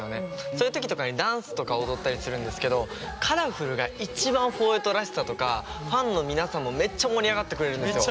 そういう時とかにダンスとか踊ったりするんですけど「ＣＯＬＯＲＦＵＬ！！」が一番フォーエイト４８らしさとかファンの皆さんもめっちゃ盛り上がってくれるんですよ。